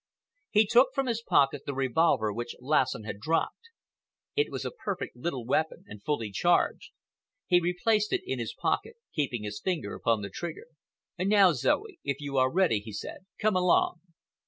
He took from his pocket the revolver which Lassen had dropped. It was a perfect little weapon, and fully charged. He replaced it in his pocket, keeping his finger upon the trigger. "Now, Zoe, if you are ready," he said, "come along."